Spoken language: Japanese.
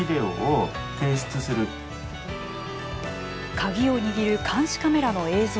鍵を握る監視カメラの映像。